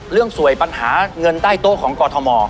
สวยปัญหาเงินใต้โต๊ะของกอทม